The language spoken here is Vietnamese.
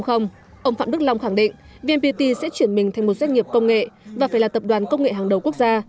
ông phạm đức long khẳng định vnpt sẽ chuyển mình thành một doanh nghiệp công nghệ và phải là tập đoàn công nghệ hàng đầu quốc gia